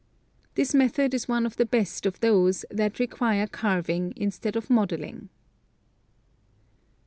This method is one of the best of those that requii e carving instead of modeling.